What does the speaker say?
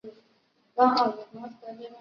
因此可能产生错误的计算及动作。